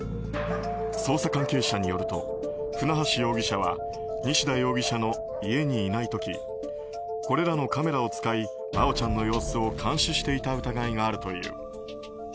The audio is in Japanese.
捜査関係者によると船橋容疑者は西田容疑者の家にいない時これらのカメラを使い真愛ちゃんの様子を監視していた疑いがあるという。